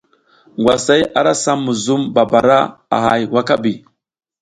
Ngwasay ara sam muzum babara a hay wakaɓi.